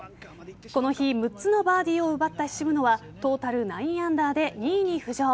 この日６つのバーディーを奪った渋野はトータル９アンダーで２位に浮上。